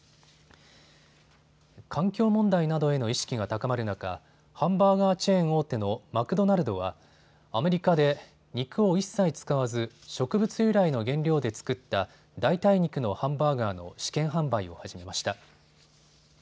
環境問題などへの意識が高まる中、ハンバーガーチェーン大手のマクドナルドはアメリカで肉を一切使わず植物由来の原料で作った代替肉のハンバーガーの試験販売を始めました。